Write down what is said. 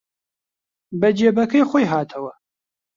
بە جێبەکەی خۆی هاتەوە